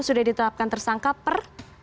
sudah ditetapkan tersangka per